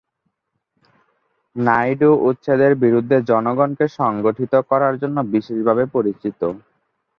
নাইডু উচ্ছেদের বিরুদ্ধে জনগণকে সংগঠিত করার জন্য বিশেষভাবে পরিচিত।